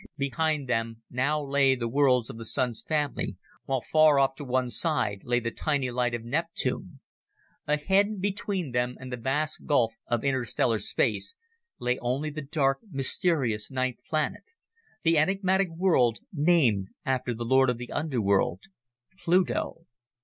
Behind them now lay the worlds of the Sun's family, while far off to one side lay the tiny light of Neptune. Ahead, between them and the vast gulf of interstellar space, lay only the dark, mysterious ninth planet, the enigmatic world named after the lord of the underworld, Pluto.